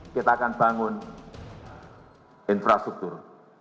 kita akan bangun infrastruktur